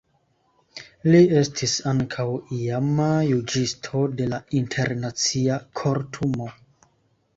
Li estis ankaŭ iama juĝisto de la Internacia Kortumo.